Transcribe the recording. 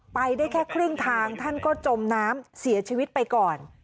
ไปได้แค่ครึ่งทางท่านก็จมน้ำเสียชีวิตไปก่อน